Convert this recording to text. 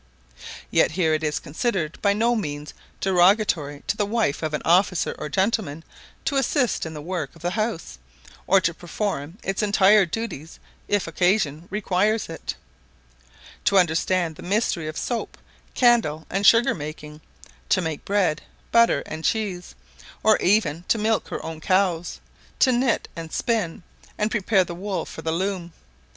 Yet here it is considered by no means derogatory to the wife of an officer or gentleman to assist in the work of the house, or to perform its entire duties if occasion requires it; to understand the mystery of soap, candle, and sugar making; to make bread, butter, and cheese, or even to milk her own cows; to knit and spin, and prepare the wool for the loom.